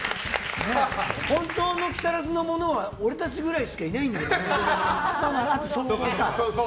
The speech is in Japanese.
本当の木更津のものは俺たちぐらいしかいないけどね。